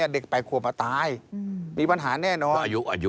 เด็ก๘ขวบมาตายมีปัญหาแน่นอนอายุ